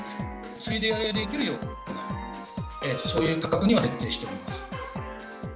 ついで買いができるような、そういう価格には設定しておりま